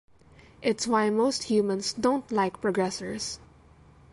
It's why most humans don't like progressors.